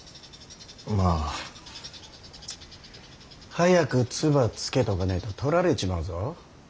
まあ。早く唾つけとかねえと取られちまうぞ。